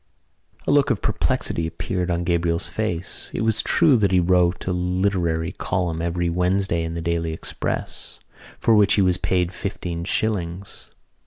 A look of perplexity appeared on Gabriel's face. It was true that he wrote a literary column every Wednesday in The Daily Express, for which he was paid fifteen shillings.